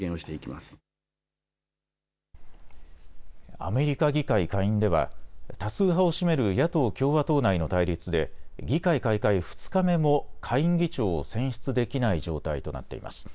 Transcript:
アメリカ議会下院では多数派を占める野党・共和党内の対立で議会開会２日目も下院議長を選出できない状態となっています。